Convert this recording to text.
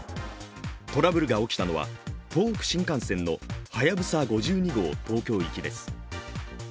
トラブルが起きたのは、東北新幹線の「はやぶさ５２」号東京行きです。